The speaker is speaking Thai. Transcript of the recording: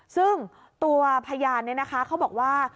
ซึ่งตัวพยานเนี่ยนะคะเขาบอกว่า